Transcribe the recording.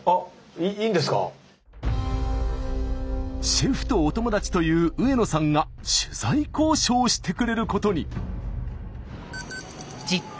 シェフとお友達という上野さんが取材交渉してくれることに。